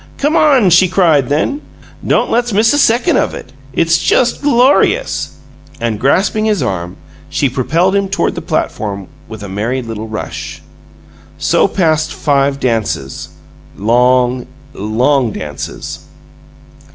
"Come on!" she cried, then. "Don't let's miss a second of it! It's just glorious!" And grasping his arm, she propelled him toward the platform with a merry little rush. So passed five dances. Long, long dances.